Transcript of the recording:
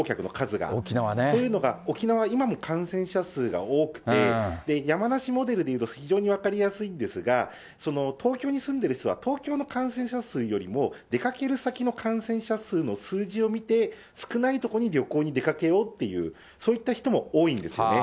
というのが、沖縄、今も感染者数が多くて、山梨モデルでいうと非常に分かりやすいんですが、東京に住んでる人は東京の感染者数よりも、出かける先の感染者数の数字を見て、少ない所に旅行に出かけようっていう、そういった人も多いんですよね。